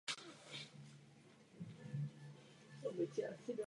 Buduje z nich neuvěřitelné obří modely a připomene i jejich historii.